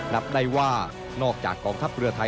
นับได้ว่านอกจากกองทัพเรือไทย